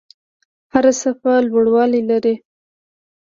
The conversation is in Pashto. هره څپه لوړوالی لري.